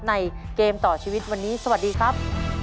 เกมต่อชีวิตวันนี้สวัสดีครับ